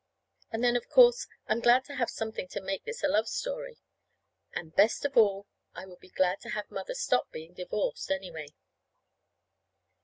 And then, of course, I'm glad to have something to make this a love story, and best of all I would be glad to have Mother stop being divorced, anyway.